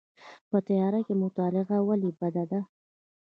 په تیاره کې مطالعه ولې بده ده؟